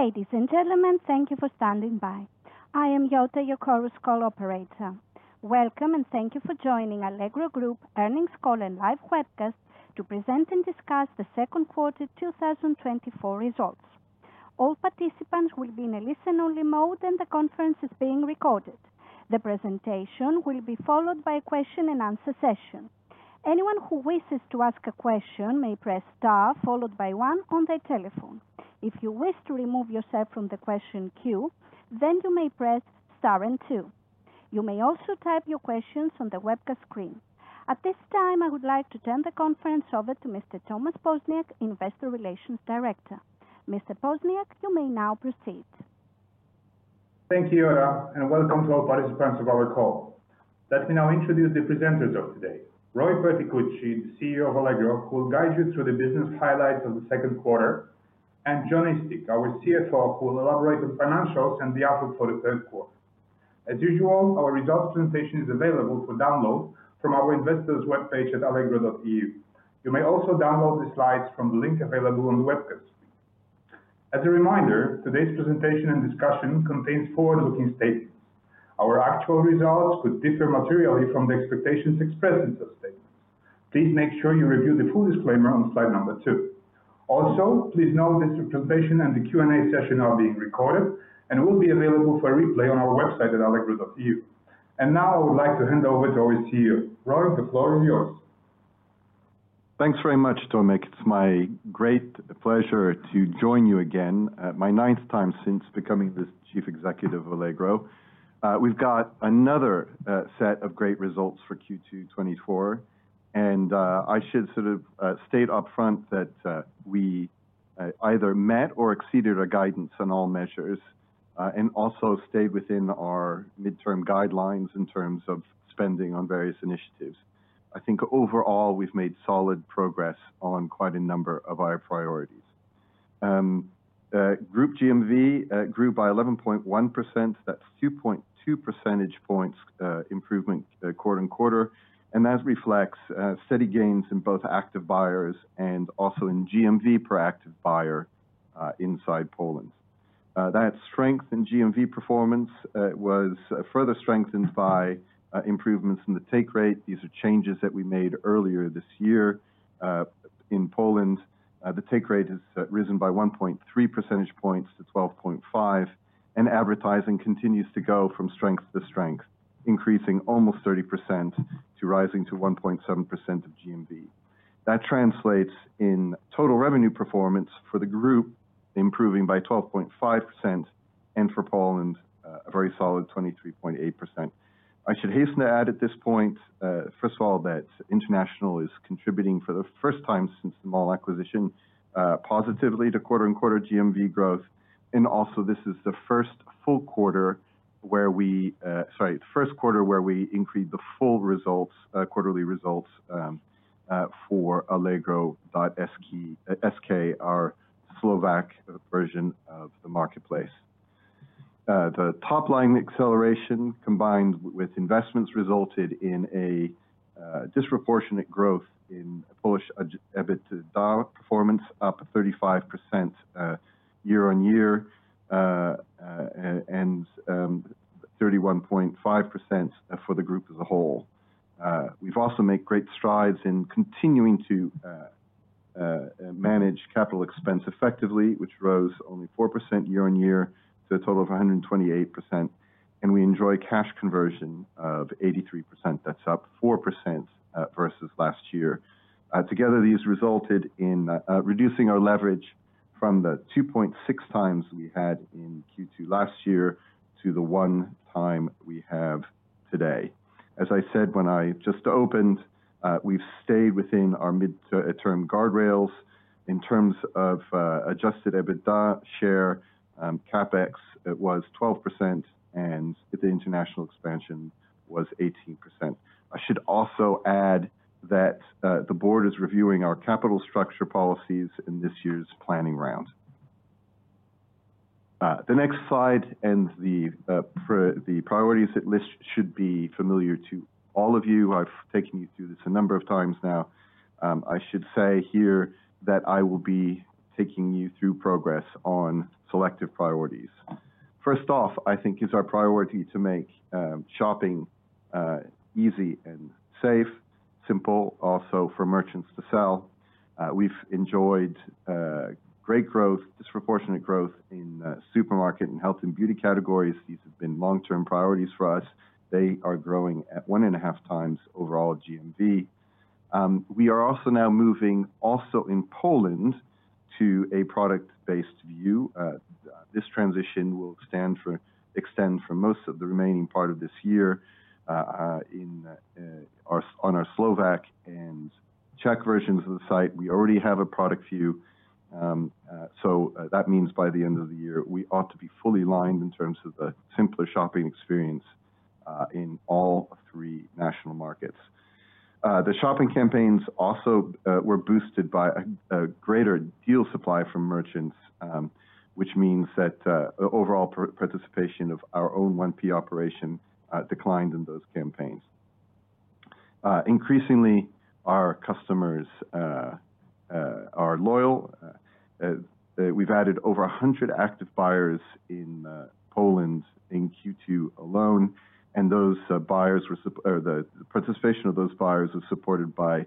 Ladies and gentlemen, thank you for standing by. I am Yota, your Chorus Call operator. Welcome, and thank you for joining Allegro Group Earnings Call and Live Webcast to present and discuss the second quarter two thousand and twenty-four results. All participants will be in a listen-only mode, and the conference is being recorded. The presentation will be followed by a question-and-answer session. Anyone who wishes to ask a question may press star, followed by one on their telephone. If you wish to remove yourself from the question queue, then you may press star and two. You may also type your questions on the webcast screen. At this time, I would like to turn the conference over to Mr. Tomasz Poźniak, Investor Relations Director. Mr. Poźniak, you may now proceed. Thank you, Yota, and welcome to all participants of our call. Let me now introduce the presenters of today. Roy Perticucci, the CEO of Allegro, who will guide you through the business highlights of the second quarter, and Jon Eastick, our CFO, who will elaborate on financials and the outlook for the third quarter. As usual, our results presentation is available for download from our investors webpage at allegro.eu. You may also download the slides from the link available on the webcast. As a reminder, today's presentation and discussion contains forward-looking statements. Our actual results could differ materially from the expectations expressed in such statements. Please make sure you review the full disclaimer on slide number two. Also, please note this presentation and the Q&A session are being recorded and will be available for replay on our website at allegro.eu. Now, I would like to hand over to our CEO. Roy, the floor is yours. Thanks very much, Tomasz. It's my great pleasure to join you again, my ninth time since becoming the Chief Executive of Allegro. We've got another set of great results for Q2 2024, and I should sort of state upfront that we either met or exceeded our guidance on all measures, and also stayed within our midterm guidelines in terms of spending on various initiatives. I think overall, we've made solid progress on quite a number of our priorities. Group GMV grew by 11.1%. That's 2.2 percentage points improvement quarter-on-quarter, and that reflects steady gains in both active buyers and also in GMV per active buyer inside Poland. That strength in GMV performance was further strengthened by improvements in the take rate. These are changes that we made earlier this year. In Poland, the take rate has risen by 1.3 percentage points to 12.5%, and advertising continues to go from strength to strength, increasing almost 30% to 1.7 percentage of GMV. That translates in total revenue performance for the group, improving by 12.5%, and for Poland, a very solid 23.8%. I should hasten to add at this point, first of all, that international is contributing for the first time since the Mall acquisition, positively to quarter-on-quarter GMV growth, and also this is the first full quarter where we... Sorry, first quarter where we increased the full results, quarterly results, for allegro.sk, SK, our Slovak version of the marketplace. The top-line acceleration, combined with investments, resulted in a disproportionate growth in Polish adjusted EBITDA performance, up 35% year-on-year, and 31.5% for the group as a whole. We've also made great strides in continuing to manage capital expense effectively, which rose only 4% year-on-year, to a total of 128 million, and we enjoy cash conversion of 83%. That's up 4% versus last year. Together, these resulted in reducing our leverage from the 2.6x we had in Q2 last year to the one time we have today. As I said when I just opened, we've stayed within our mid-term guardrails. In terms of adjusted EBITDA share, CapEx, it was 12%, and the international expansion was 18%. I should also add that the board is reviewing our capital structure policies in this year's planning round. The next slide and the priorities list should be familiar to all of you. I've taken you through this a number of times now. I should say here that I will be taking you through progress on selective priorities. First off, I think it's our priority to make shopping easy and safe, simple also for merchants to sell. We've enjoyed great growth, disproportionate growth in supermarket and health and beauty categories. These have been long-term priorities for us. They are growing at 1.5x overall GMV. We are also now moving, also in Poland, to a product-based view. This transition will extend for most of the remaining part of this year, in our Slovak and Czech versions of the site. We already have a product view, so that means by the end of the year, we ought to be fully lined in terms of a simpler shopping experience, in all three national markets. The shopping campaigns also were boosted by a greater deal supply from merchants, which means that overall participation of our own 1P operation declined in those campaigns. Increasingly, our customers are loyal. We've added over a hundred active buyers in Poland in Q2 alone, and the participation of those buyers was supported by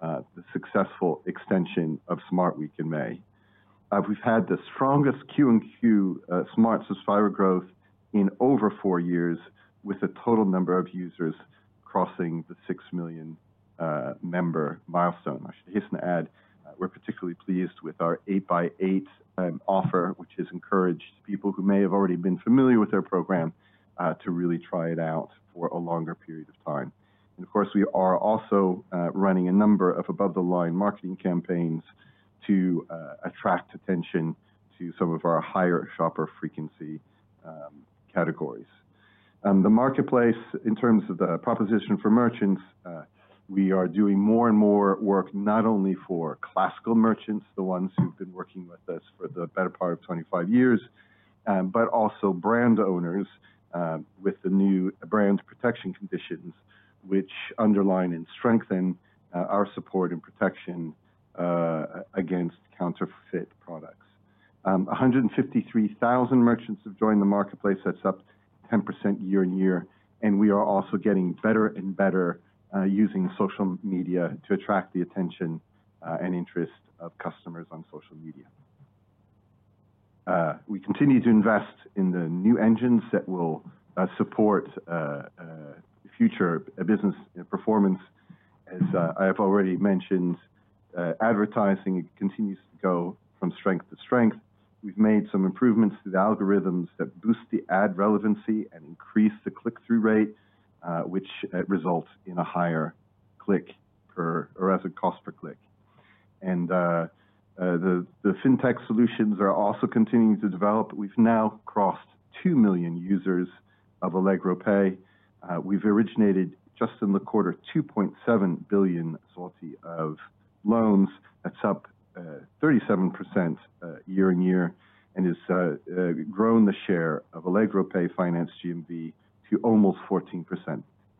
the successful extension of Smart Week in May. We've had the strongest QoQ Smart subscriber growth in over four years, with a total number of users crossing the six million member milestone. I should hasten to add, we're particularly pleased with our eight by eight offer, which has encouraged people who may have already been familiar with our program to really try it out for a longer period of time. And of course, we are also running a number of above-the-line marketing campaigns to attract attention to some of our higher shopper frequency categories. The marketplace, in terms of the proposition for merchants, we are doing more and more work, not only for classical merchants, the ones who've been working with us for the better part of twenty-five years, but also brand owners, with the new brand protection conditions, which underline and strengthen our support and protection against counterfeit products. A hundred and fifty-three thousand merchants have joined the marketplace. That's up 10% year-on-year, and we are also getting better and better using social media to attract the attention and interest of customers on social media. We continue to invest in the new engines that will support future business performance. As I have already mentioned, advertising continues to go from strength to strength. We've made some improvements to the algorithms that boost the ad relevancy and increase the click-through rate, which results in a higher click per... or as a cost per click. The fintech solutions are also continuing to develop. We've now crossed two million users of Allegro Pay. We've originated, just in the quarter, 2.7 billion zloty of loans. That's up 37% year-on-year and has grown the share of Allegro Pay financed GMV to almost 14%.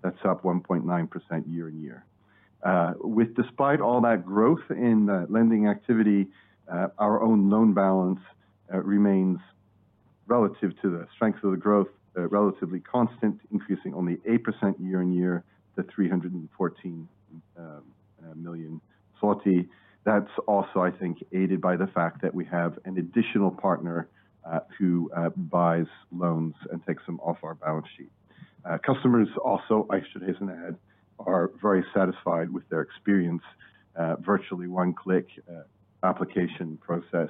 That's up 1.9% year-on-year. With despite all that growth in lending activity, our own loan balance remains relative to the strength of the growth, relatively constant, increasing only 8% year-on-year to 314 million. That's also, I think, aided by the fact that we have an additional partner, who buys loans and takes them off our balance sheet. Customers also, I should hasten to add, are very satisfied with their experience, virtually one-click application process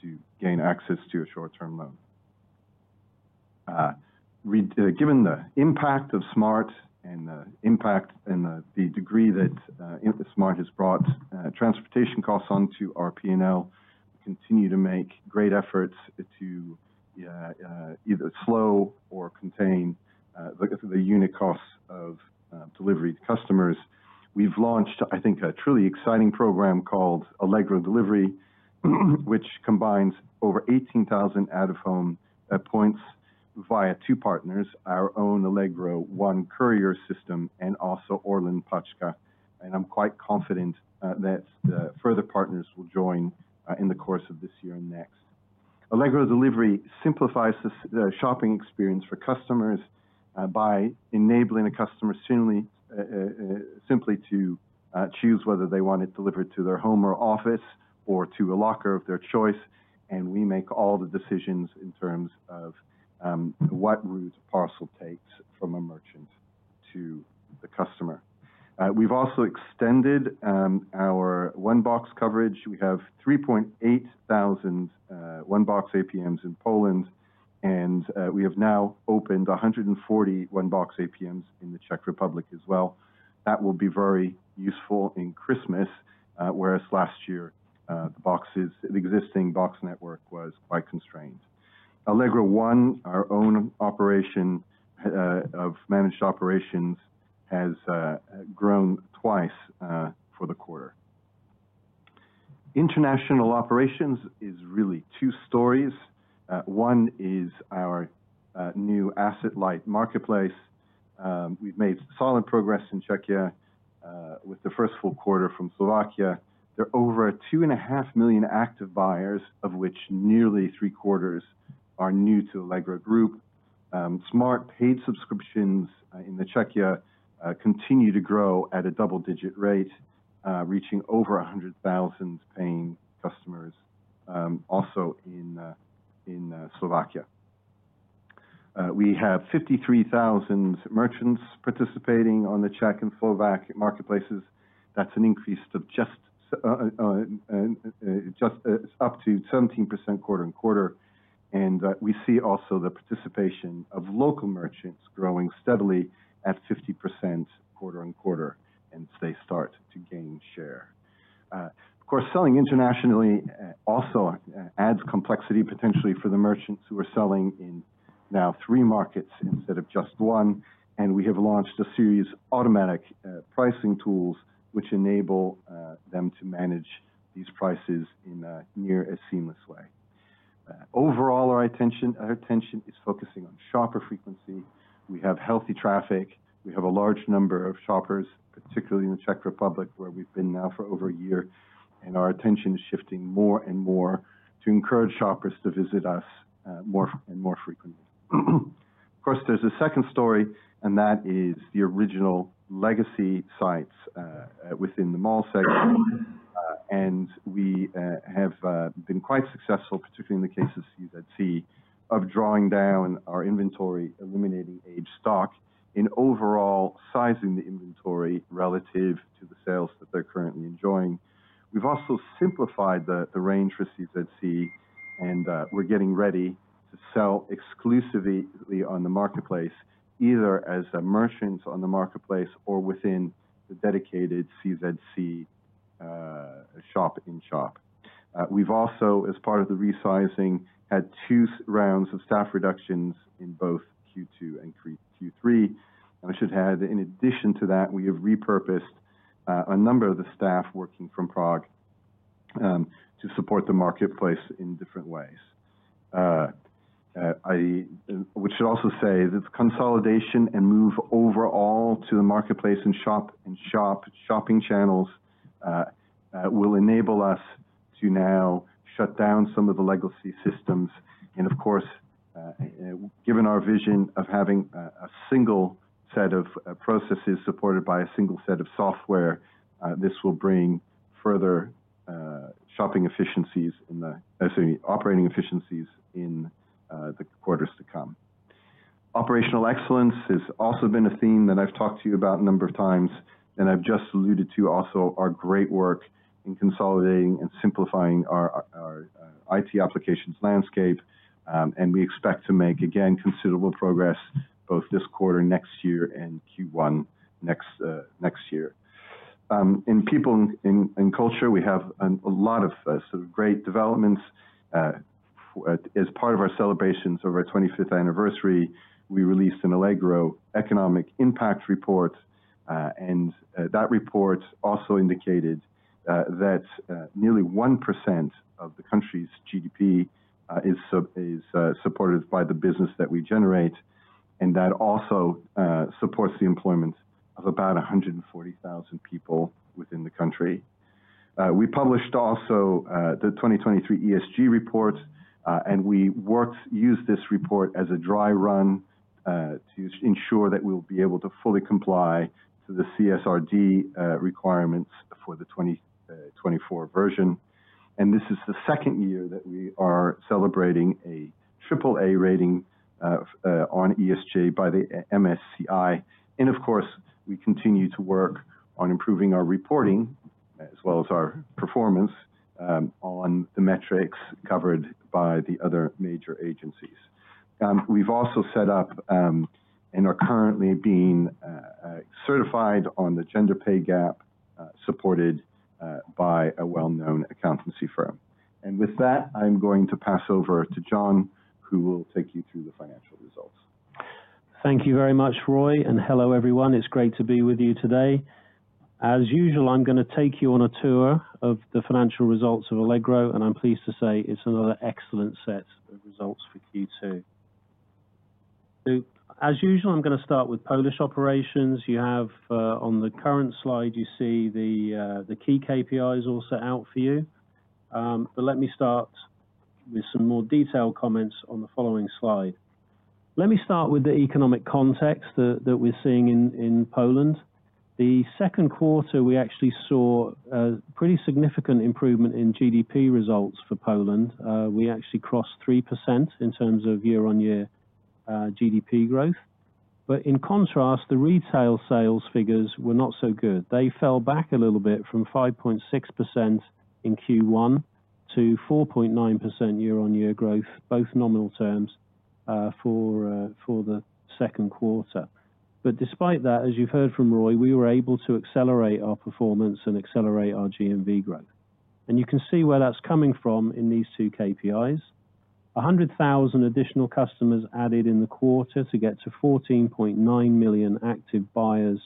to gain access to a short-term loan. Given the impact of Smart and the impact and the degree that Smart has brought transportation costs on to our P&L, we continue to make great efforts to either slow or contain the unit costs of delivery to customers. We've launched, I think, a truly exciting program called Allegro Delivery, which combines over eighteen thousand out-of-home points via two partners, our own Allegro One courier system and also Orlen Paczka. And I'm quite confident that further partners will join in the course of this year and next. Allegro Delivery simplifies the shopping experience for customers by enabling a customer simply to choose whether they want it delivered to their home or office or to a locker of their choice, and we make all the decisions in terms of what route a parcel takes from a merchant to the customer. We've also extended our One Box coverage. We have 3, 800 One Box APMs in Poland, and we have now opened 140 One Box APMs in the Czech Republic as well. That will be very useful in Christmas, whereas last year the boxes, the existing box network was quite constrained. Allegro One, our own operation of managed operations, has grown twice for the quarter. International operations is really two stories. One is our new asset light marketplace. We've made solid progress in Czechia with the first full quarter from Slovakia. There are over two and a half million active buyers, of which nearly three-quarters are new to Allegro Group. Smart paid subscriptions in the Czechia continue to grow at a double-digit rate, reaching over a hundred thousand paying customers, also in Slovakia. We have fifty-three thousand merchants participating on the Czech and Slovak marketplaces. That's an increase of just up to 17% quarter-on-quarter, and we see also the participation of local merchants growing steadily at 50% quarter-on-quarter and as they start to gain share. Of course, selling internationally also adds complexity potentially for the merchants who are selling in now three markets instead of just one, and we have launched a series of automatic pricing tools, which enable them to manage these prices in a nearly seamless way. Overall, our attention is focusing on shopper frequency. We have healthy traffic. We have a large number of shoppers, particularly in the Czech Republic, where we've been now for over a year, and our attention is shifting more and more to encourage shoppers to visit us more and more frequently. Of course, there's a second story, and that is the original legacy sites within the Mall segment. And we have been quite successful, particularly in the case of CZC, of drawing down our inventory, eliminating age stock, and overall sizing the inventory relative to the sales that they're currently enjoying. We've also simplified the range for CZC, and we're getting ready to sell exclusively on the marketplace, either as merchants on the marketplace or within the dedicated CZC shop in shop. We've also, as part of the resizing, had two rounds of staff reductions in both Q2 and Q3. I should add, in addition to that, we have repurposed a number of the staff working from Prague to support the marketplace in different ways. We should also say that the consolidation and move overall to the marketplace and shopping channels will enable us to now shut down some of the legacy systems. And of course, given our vision of having a single set of processes supported by a single set of software, this will bring further shopping efficiencies in the... Sorry, operating efficiencies in the quarters to come. Operational excellence has also been a theme that I've talked to you about a number of times, and I've just alluded to also our great work in consolidating and simplifying our IT applications landscape. And we expect to make, again, considerable progress both this quarter, next year and Q1, next year. In people, in culture, we have a lot of sort of great developments. As part of our celebrations over our twenty-fifth anniversary, we released an Allegro Economic Impact Report, and that report also indicated that nearly 1% of the country's GDP is supported by the business that we generate, and that also supports the employment of about 140,000 people within the country. We published also the 2023 ESG report, and we used this report as a dry run to ensure that we'll be able to fully comply to the CSRD requirements for the 2024 version. This is the second year that we are celebrating a AAA rating on ESG by the MSCI. And of course, we continue to work on improving our reporting, as well as our performance, on the metrics covered by the other major agencies. We've also set up, and are currently being, certified on the gender pay gap, supported, by a well-known accountancy firm. And with that, I'm going to pass over to Jon, who will take you through the financial results. Thank you very much, Roy, and hello, everyone. It's great to be with you today. As usual, I'm gonna take you on a tour of the financial results of Allegro, and I'm pleased to say it's another excellent set of results for Q2. So as usual, I'm gonna start with Polish operations. You have, on the current slide, you see the key KPIs all set out for you. But let me start with some more detailed comments on the following slide. Let me start with the economic context that we're seeing in Poland. The second quarter, we actually saw a pretty significant improvement in GDP results for Poland. We actually crossed 3% in terms of year-on-year GDP growth. But in contrast, the retail sales figures were not so good. They fell back a little bit from 5.6% in Q1 to 4.9% year-on-year growth, both nominal terms, for the second quarter, but despite that, as you've heard from Roy, we were able to accelerate our performance and accelerate our GMV growth, and you can see where that's coming from in these two KPIs. 100,000 additional customers added in the quarter to get to 14.9 million active buyers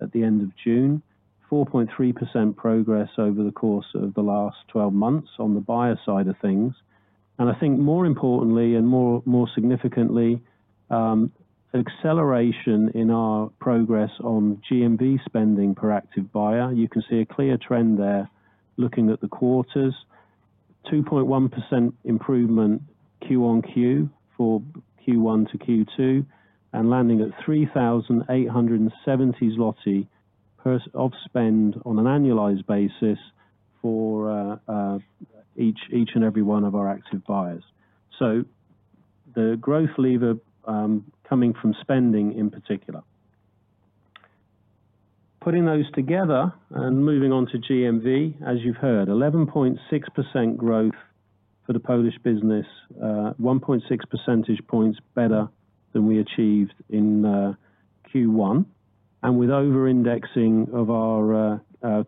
at the end of June, 4.3% progress over the course of the last 12 months on the buyer side of things, and I think more importantly and more significantly, acceleration in our progress on GMV spending per active buyer. You can see a clear trend there, looking at the quarters, 2.1% improvement QoQ for Q1-Q2, and landing at 3,870 zloty per unit of spend on an annualized basis for each and every one of our active buyers. So the growth lever coming from spending in particular. Putting those together and moving on to GMV, as you've heard, 11.6% growth for the Polish business, 1.6 percentage points better than we achieved in Q1. And with over indexing of our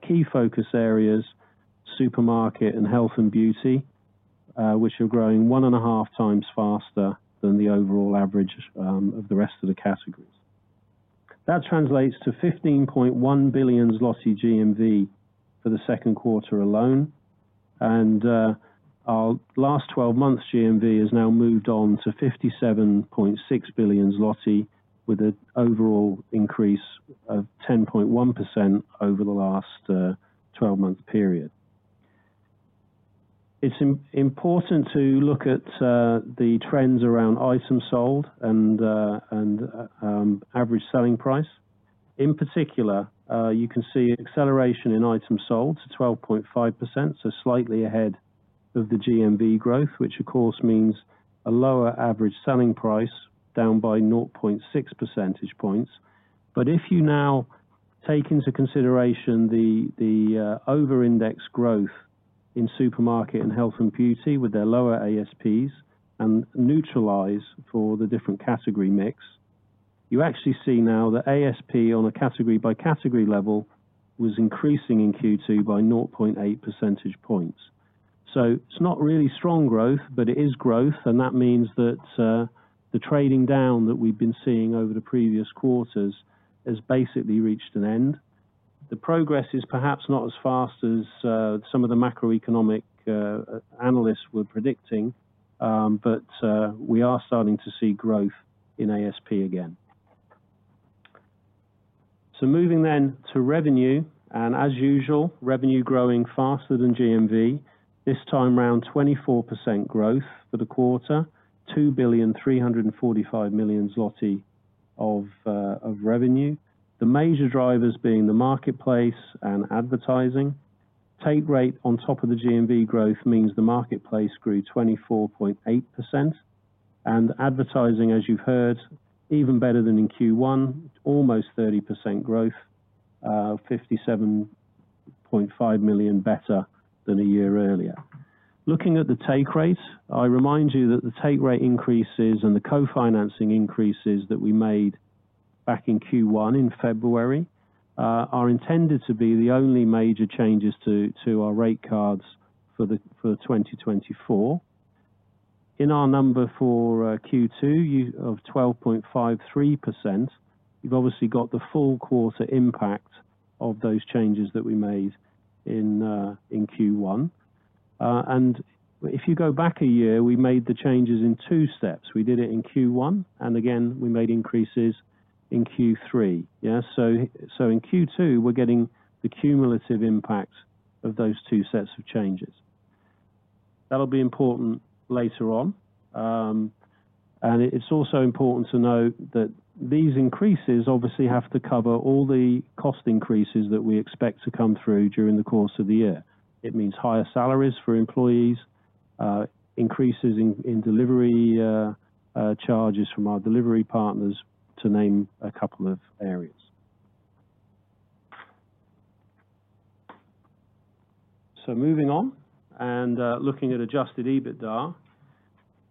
key focus areas, supermarket and health and beauty, which are growing 1.5x faster than the overall average of the rest of the categories. That translates to 15.1 billion zloty GMV for the second quarter alone, and our last twelve months GMV has now moved on to 57.6 billion zloty, with an overall increase of 10.1% over the last twelve-month period. It's important to look at the trends around items sold and average selling price. In particular, you can see acceleration in items sold to 12.5%, so slightly ahead of the GMV growth, which of course means a lower average selling price, down by nought point six percentage points. But if you now take into consideration the over-index growth in supermarket and health and beauty with their lower ASPs and neutralize for the different category mix, you actually see now that ASP on a category-by-category level was increasing in Q2 by 0.8 percentage points. So it's not really strong growth, but it is growth, and that means that the trading down that we've been seeing over the previous quarters has basically reached an end. The progress is perhaps not as fast as some of the macroeconomic analysts were predicting, but we are starting to see growth in ASP again. So moving then to revenue, and as usual, revenue growing faster than GMV, this time around 24% growth for the quarter, 2,345,000,000 zloty of revenue. The major drivers being the marketplace and advertising. Take rate on top of the GMV growth means the marketplace grew 24.8%, and advertising, as you've heard, even better than in Q1, almost 30% growth, 57.5 million better than a year earlier. Looking at the take rate, I remind you that the take rate increases and the co-financing increases that we made back in Q1, in February, are intended to be the only major changes to our rate cards for 2024. In our number for Q2 of 12.53%, you've obviously got the full quarter impact of those changes that we made in Q1. And if you go back a year, we made the changes in two steps. We did it in Q1, and again, we made increases in Q3. Yeah, so in Q2, we're getting the cumulative impact of those two sets of changes. That'll be important later on, and it's also important to note that these increases obviously have to cover all the cost increases that we expect to come through during the course of the year. It means higher salaries for employees, increases in delivery charges from our delivery partners, to name a couple of areas, so moving on and looking at adjusted EBITDA,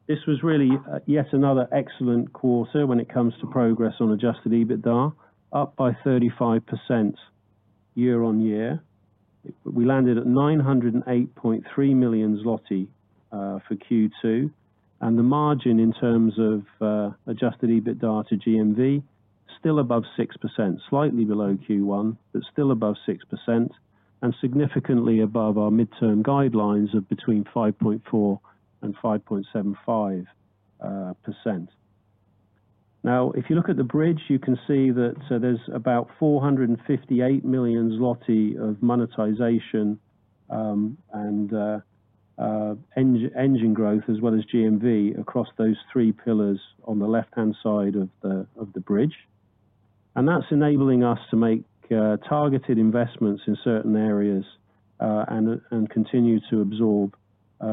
this was really yet another excellent quarter when it comes to progress on adjusted EBITDA, up by 35% year-on-year. We landed at 908.3 million zloty for Q2, and the margin in terms of adjusted EBITDA to GMV still above 6%, slightly below Q1, but still above 6%, and significantly above our mid-term guidelines of between 5.4% and 5.75%. Now, if you look at the bridge, you can see that there's about 458 million zloty of monetization and engine growth, as well as GMV, across those three pillars on the left-hand side of the bridge. And that's enabling us to make targeted investments in certain areas and continue to absorb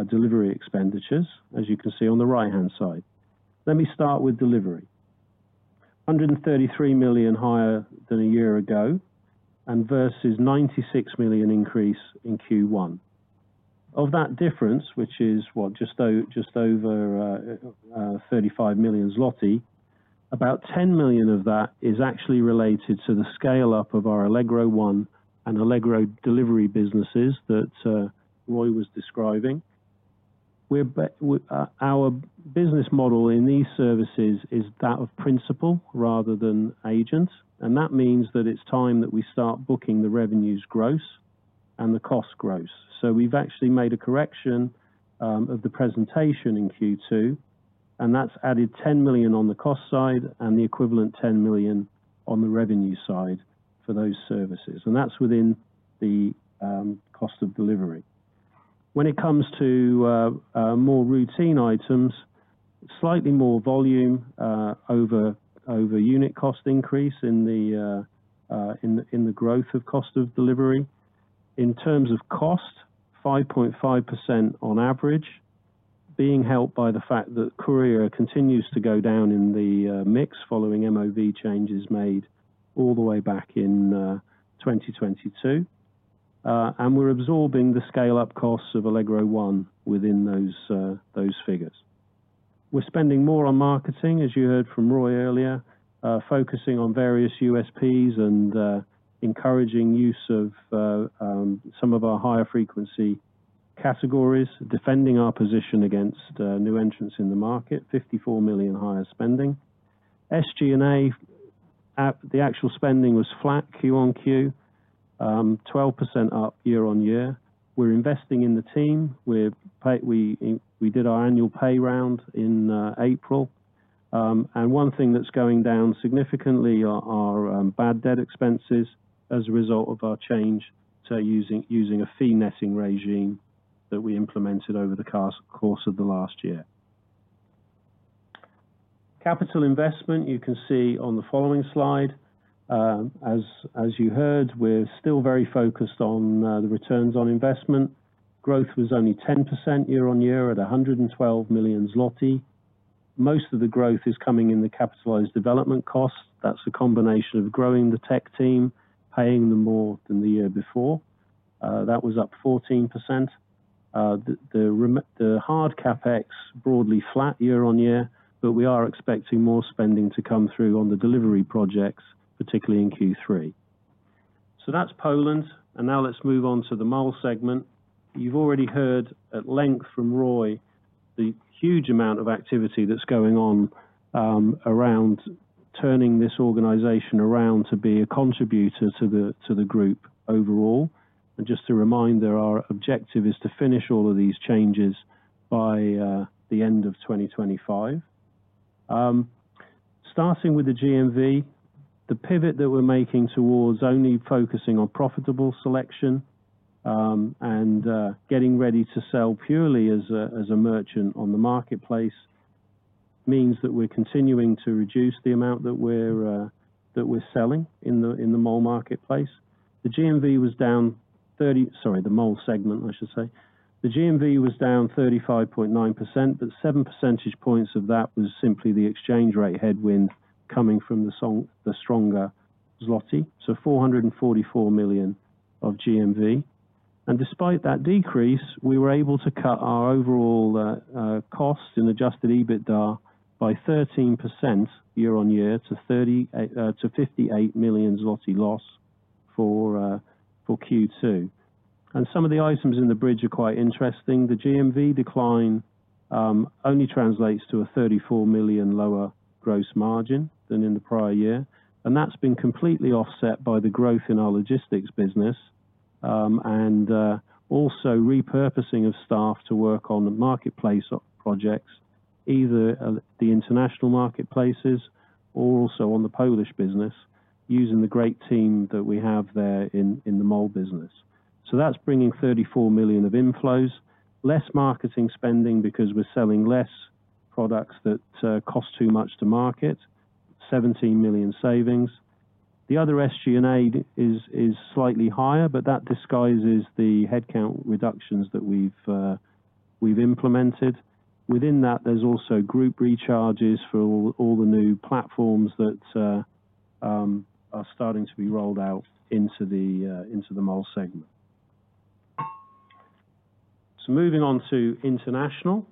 delivery expenditures, as you can see on the right-hand side. Let me start with Delivery. 133 million higher than a year ago and versus 96 million increase in Q1. Of that difference, which is what? Just over 35 million zloty, about 10 million of that is actually related to the scale-up of our Allegro One and Allegro Delivery businesses that Roy was describing. We're our business model in these services is that of principal rather than agent, and that means that it's time that we start booking the revenues gross and the cost gross. So we've actually made a correction of the presentation in Q2, and that's added 10 million on the cost side and the equivalent 10 million on the revenue side for those services, and that's within the cost of delivery. When it comes to more routine items, slightly more volume over unit cost increase in the growth of cost of delivery. In terms of cost, 5.5% on average, being helped by the fact that courier continues to go down in the mix, following MOV changes made all the way back in 2022. And we're absorbing the scale-up costs of Allegro One within those figures. We're spending more on marketing, as you heard from Roy earlier, focusing on various USPs and encouraging use of some of our higher frequency categories, defending our position against new entrants in the market, 54 million higher spending. SG&A actual spending was flat QoQ, 12% up year-on-year. We're investing in the team. We did our annual pay round in April. And one thing that's going down significantly are bad debt expenses as a result of our change to using a fee netting regime that we implemented over the course of the last year. Capital investment, you can see on the following slide, as you heard, we're still very focused on the returns on investment. Growth was only 10% year-on-year, at 112 million zloty. Most of the growth is coming in the capitalized development costs. That's a combination of growing the tech team, paying them more than the year before. That was up 14%. The hard CapEx, broadly flat year-on-year, but we are expecting more spending to come through on the delivery projects, particularly in Q3. So that's Poland, and now let's move on to the Mall segment. You've already heard at length from Roy, the huge amount of activity that's going on around turning this organization around to be a contributor to the group overall. Just a reminder, our objective is to finish all of these changes by the end of 2025. Starting with the GMV, the pivot that we're making towards only focusing on profitable selection and getting ready to sell purely as a merchant on the marketplace, means that we're continuing to reduce the amount that we're selling in the Mall marketplace. The GMV was down thirty... Sorry, the Mall segment, I should say. The GMV was down 35.9%, but 7 percentage points of that was simply the exchange rate headwind coming from the stronger zloty, so 444 million of GMV. And despite that decrease, we were able to cut our overall costs in adjusted EBITDA by 13% year-on-year to 58 million zloty loss for Q2. And some of the items in the bridge are quite interesting. The GMV decline only translates to a 34 million lower gross margin than in the prior year, and that's been completely offset by the growth in our logistics business. And also repurposing of staff to work on the marketplace of projects, either at the international marketplaces or also on the Polish business, using the great team that we have there in the Mall business. So that's bringing 34 million of inflows, less marketing spending, because we're selling less products that cost too much to market, 17 million savings. The other SG&A is slightly higher, but that disguises the headcount reductions that we've implemented. Within that, there's also group recharges for all the new platforms that are starting to be rolled out into the Mall segment. Moving on to international,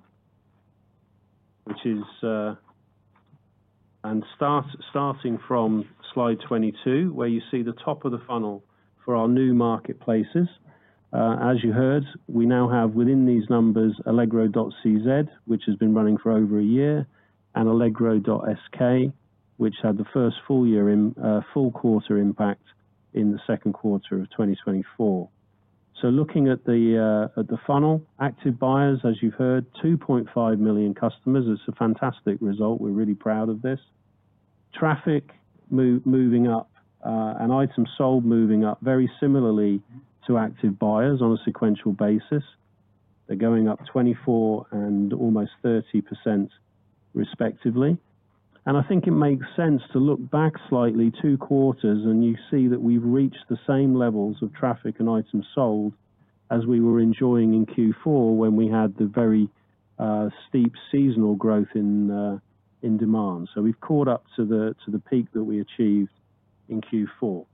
starting from slide 22, where you see the top of the funnel for our new marketplaces. As you heard, we now have within these numbers, allegro.cz, which has been running for over a year, and allegro.sk, which had the first full year in full quarter impact in the second quarter of 2024. Looking at the funnel, active buyers, as you've heard, 2.5 million customers, it's a fantastic result. We're really proud of this. Traffic move, moving up, and items sold moving up very similarly to active buyers on a sequential basis. They're going up 24% and almost 30%, respectively, and I think it makes sense to look back slightly two quarters, and you see that we've reached the same levels of traffic and items sold as we were enjoying in Q4, when we had the very, steep seasonal growth in demand, so we've caught up to the peak that we achieved in Q4.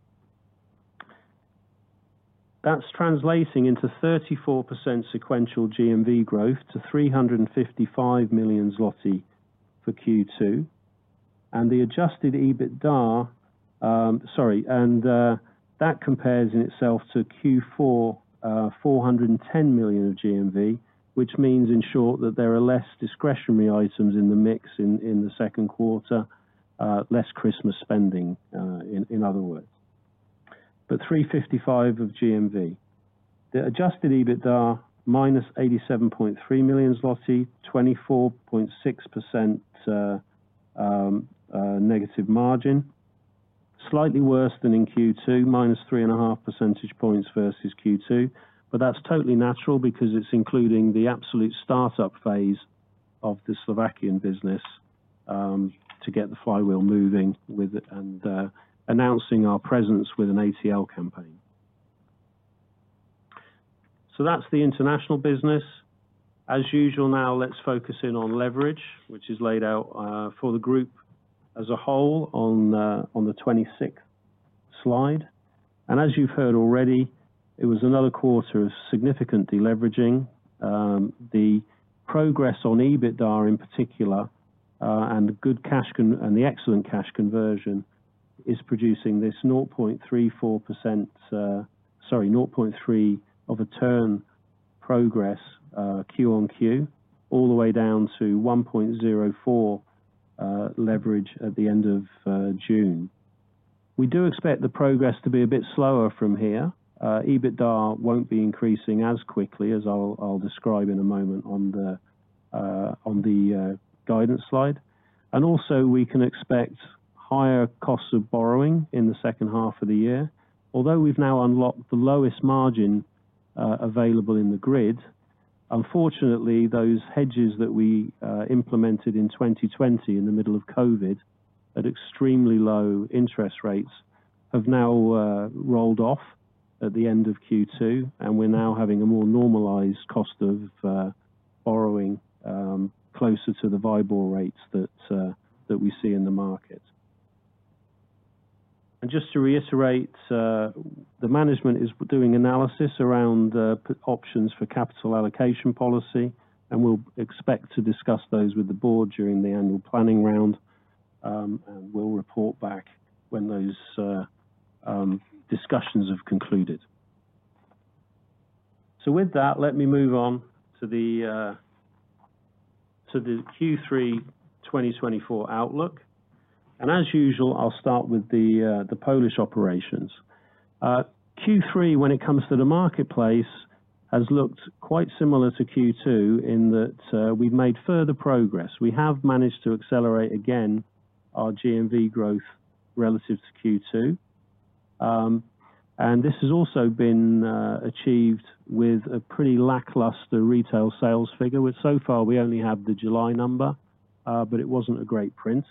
That's translating into 34% sequential GMV growth to 355 million zloty for Q2, and the adjusted EBITDA, and that compares in itself to Q4, 410 million of GMV, which means, in short, that there are less discretionary items in the mix in the second quarter, less Christmas spending, in other words. But 355 million of GMV. The adjusted EBITDA -87.3 million zloty, 24.6%- margin, slightly worse than in Q2, -3.5 percentage points versus Q2. But that's totally natural because it's including the absolute start-up phase of the Slovakian business, to get the flywheel moving with it and announcing our presence with an ATL campaign. So that's the international business. As usual now, let's focus in on leverage, which is laid out for the group as a whole on the twenty-sixth slide, and as you've heard already, it was another quarter of significant deleveraging. The progress on EBITDA in particular, and the excellent cash conversion is producing this 0.34%, sorry, 0.3% of a turn progress, QoQ, all the way down to 1.04 leverage at the end of June. We do expect the progress to be a bit slower from here. EBITDA won't be increasing as quickly as I'll describe in a moment on the guidance slide, and also, we can expect higher costs of borrowing in the second half of the year. Although we've now unlocked the lowest margin available in the grid, unfortunately, those hedges that we implemented in 2020 in the middle of COVID at extremely low interest rates have now rolled off at the end of Q2, and we're now having a more normalized cost of borrowing closer to the viable rates that we see in the market. And just to reiterate, the management is doing analysis around options for capital allocation policy, and we'll expect to discuss those with the board during the annual planning round. And we'll report back when those discussions have concluded. So with that, let me move on to the Q3 2024 outlook. And as usual, I'll start with the Polish operations. Q3, when it comes to the marketplace, has looked quite similar to Q2 in that we've made further progress. We have managed to accelerate again our GMV growth relative to Q2, and this has also been achieved with a pretty lackluster retail sales figure, which so far we only have the July number, but it wasn't a great print,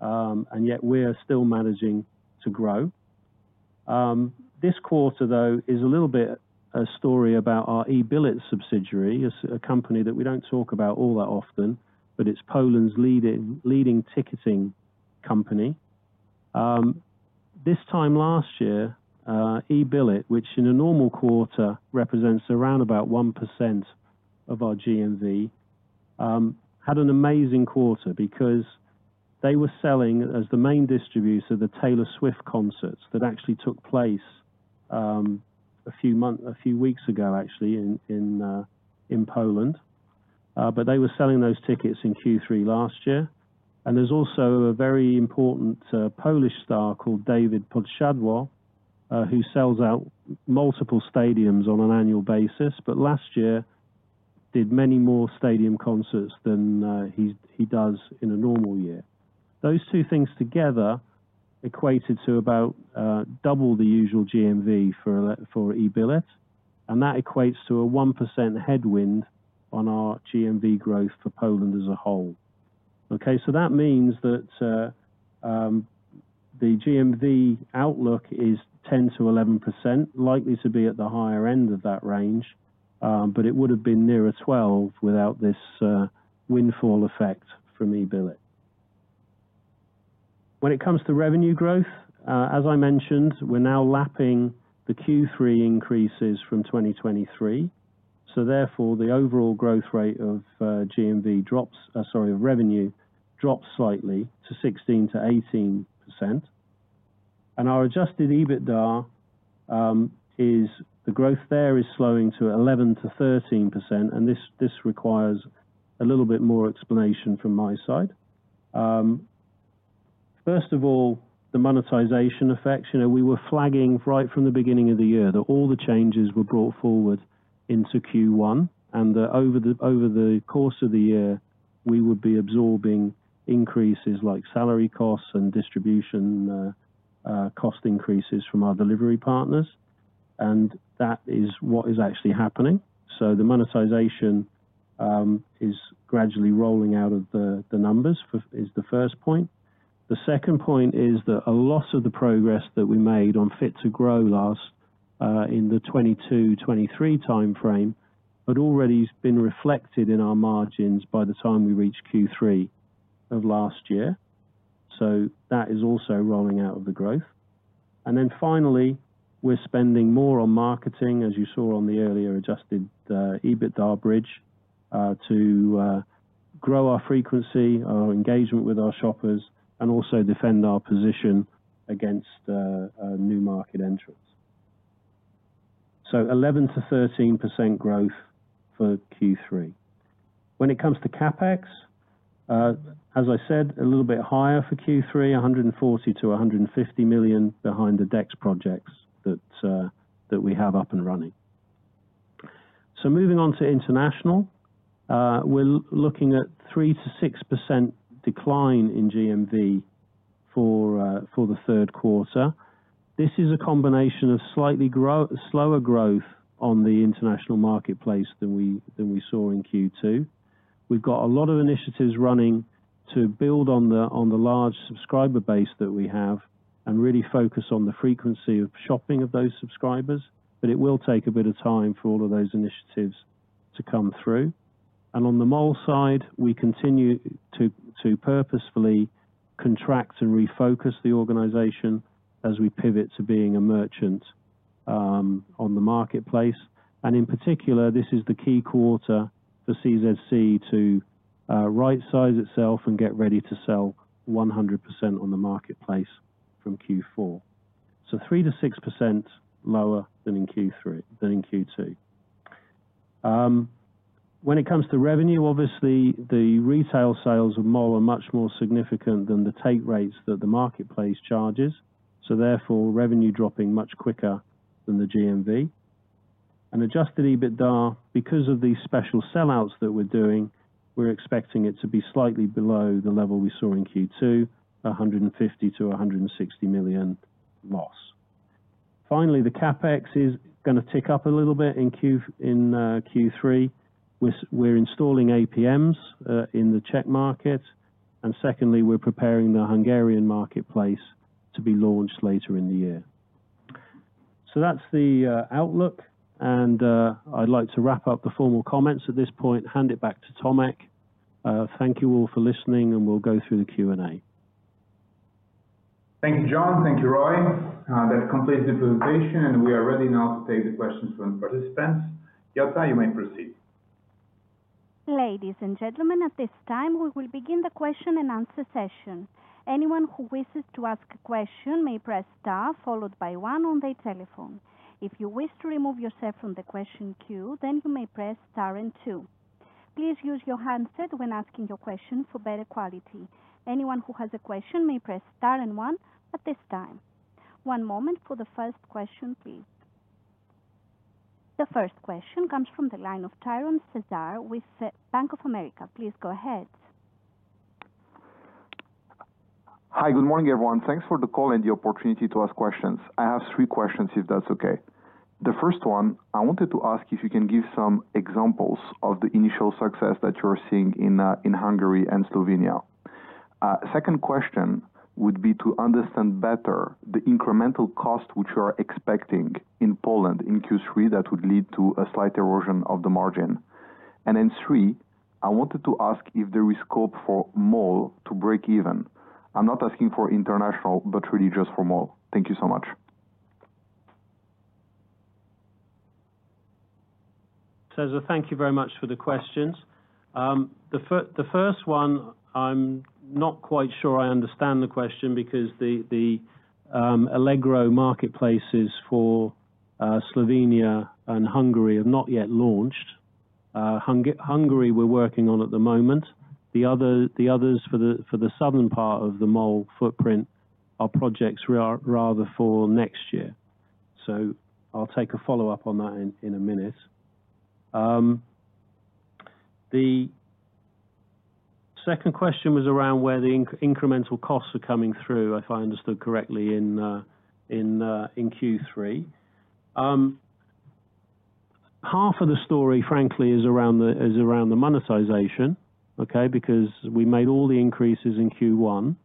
and yet we are still managing to grow. This quarter, though, is a little bit a story about our eBilet subsidiary, a company that we don't talk about all that often, but it's Poland's leading ticketing company. This time last year, eBilet, which in a normal quarter represents around about 1% of our GMV, had an amazing quarter because they were selling as the main distributor of the Taylor Swift concerts that actually took place a few weeks ago, actually, in Poland. But they were selling those tickets in Q3 last year. And there's also a very important Polish star called Dawid Podsiadło, who sells out multiple stadiums on an annual basis, but last year did many more stadium concerts than he does in a normal year. Those two things together equated to about double the usual GMV for eBilet, and that equates to a 1% headwind on our GMV growth for Poland as a whole. Okay, so that means that the GMV outlook is 10%-11%, likely to be at the higher end of that range, but it would have been nearer 12% without this windfall effect from eBilet. When it comes to revenue growth, as I mentioned, we're now lapping the Q3 increases from 2023, so therefore, the overall growth rate of GMV drops, sorry, revenue drops slightly to 16%-18%. And our adjusted EBITDA is the growth there is slowing to 11%-13%, and this requires a little bit more explanation from my side. First of all, the monetization effects. You know, we were flagging right from the beginning of the year that all the changes were brought forward into Q1, and that over the course of the year, we would be absorbing increases like salary costs and distribution cost increases from our delivery partners, and that is what is actually happening. So the monetization is gradually rolling out of the numbers, is the first point. The second point is that a lot of the progress that we made on Fit to Grow last in the 2022-2023 time frame had already been reflected in our margins by the time we reached Q3 of last year. So that is also rolling out of the growth. And then finally, we're spending more on marketing, as you saw on the earlier adjusted EBITDA bridge, to grow our frequency, our engagement with our shoppers, and also defend our position against new market entrants. So 11%-13% growth for Q3. When it comes to CapEx, as I said, a little bit higher for Q3, 140-150 million behind the DEX projects that we have up and running. So moving on to international. We're looking at 3%-6% decline in GMV for the third quarter. This is a combination of slightly slower growth on the international marketplace than we saw in Q2. We've got a lot of initiatives running to build on the large subscriber base that we have and really focus on the frequency of shopping of those subscribers, but it will take a bit of time for all of those initiatives to come through. And on the Mall side, we continue to purposefully contract and refocus the organization as we pivot to being a merchant on the marketplace, and in particular, this is the key quarter for CZC to right-size itself and get ready to sell 100% on the marketplace from Q4. So 3%-6% lower than in Q3, than in Q2. When it comes to revenue, obviously, the retail sales of Mall are much more significant than the take rates that the marketplace charges, so therefore, revenue dropping much quicker than the GMV. Adjusted EBITDA, because of these special sellouts that we're doing, we're expecting it to be slightly below the level we saw in Q2, 150-160 million loss. Finally, the CapEx is gonna tick up a little bit in Q3. We're installing APMs in the Czech market, and secondly, we're preparing the Hungarian marketplace to be launched later in the year. That's the outlook, and I'd like to wrap up the formal comments at this point, hand it back to Tomasz. Thank you all for listening, and we'll go through the Q&A. Thank you, Jon. Thank you, Roy. That completes the presentation, and we are ready now to take the questions from participants. Yota, you may proceed. Ladies and gentlemen, at this time, we will begin the question-and-answer session. Anyone who wishes to ask a question may press star, followed by one on their telephone. If you wish to remove yourself from the question queue, then you may press star and two. Please use your handset when asking your question for better quality. Anyone who has a question may press star and one at this time. One moment for the first question, please. The first question comes from the line of Tiron, Cesar with Bank of America. Please go ahead. Hi, good morning, everyone. Thanks for the call and the opportunity to ask questions. I have three questions, if that's okay. The first one, I wanted to ask if you can give some examples of the initial success that you're seeing in Hungary and Slovenia. Second question, would be to understand better the incremental cost, which you are expecting in Poland in Q3, that would lead to a slight erosion of the margin. And then three, I wanted to ask if there is scope for Mall to break even. I'm not asking for international, but really just for Mall. Thank you so much. Cesar, thank you very much for the questions. The first one, I'm not quite sure I understand the question because the Allegro marketplaces for Slovenia and Hungary have not yet launched. Hungary, we're working on at the moment. The others for the southern part of the Mall footprint are projects rather for next year. So I'll take a follow-up on that in a minute. The second question was around where the incremental costs are coming through, if I understood correctly, in Q3. Half of the story, frankly, is around the monetization, okay? Because we made all the increases in Q1,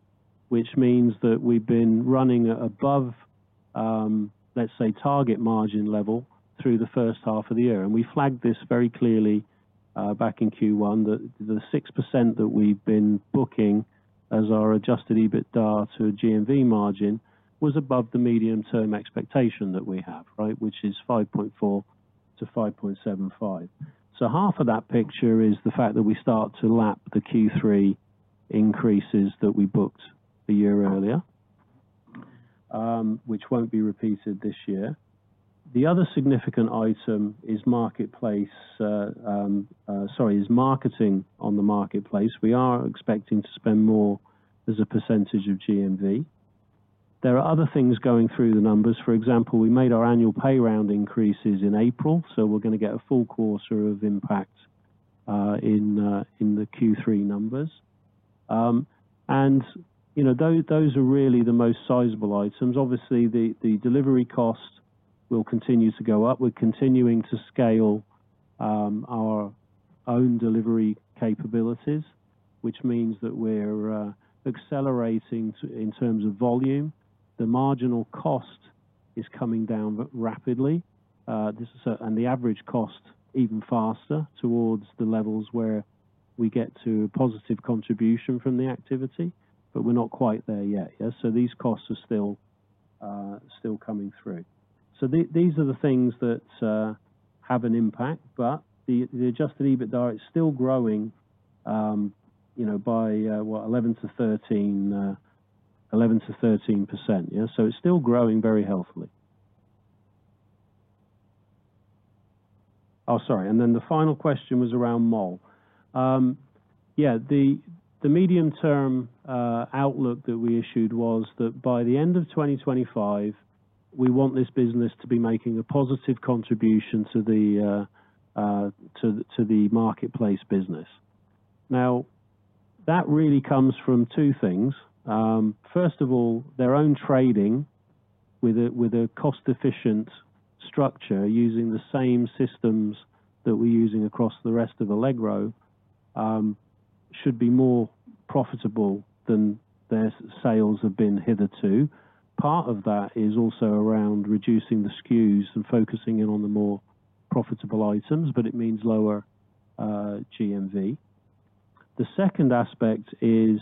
which means that we've been running above, let's say, target margin level through the first half of the year. And we flagged this very clearly back in Q1 that the 6% that we've been booking as our adjusted EBITDA to a GMV margin was above the medium-term expectation that we have, right, which is 5.4%-5.75%. So half of that picture is the fact that we start to lap the Q3 increases that we booked a year earlier, which won't be repeated this year. The other significant item is marketing on the marketplace. We are expecting to spend more as a percentage of GMV. There are other things going through the numbers. For example, we made our annual pay round increases in April, so we're gonna get a full quarter of impact in the Q3 numbers. And you know, those are really the most sizable items. Obviously, the delivery cost will continue to go up. We're continuing to scale our own delivery capabilities, which means that we're accelerating in terms of volume. The marginal cost is coming down, but rapidly, and the average cost even faster towards the levels where we get to positive contribution from the activity, but we're not quite there yet. Yeah, so these costs are still coming through. So these are the things that have an impact, but the adjusted EBITDA is still growing, you know, by 11%-13%. Yeah, so it's still growing very healthily. Oh, sorry, and then the final question was around Mall. Yeah, the medium-term outlook that we issued was that by the end of 2025, we want this business to be making a positive contribution to the marketplace business. Now, that really comes from two things. First of all, their own trading with a cost-efficient structure using the same systems that we're using across the rest of Allegro should be more profitable than their sales have been hitherto. Part of that is also around reducing the SKUs and focusing in on the more profitable items, but it means lower GMV. The second aspect is